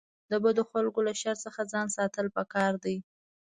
د بدو خلکو له شر څخه ځان ساتل پکار دي.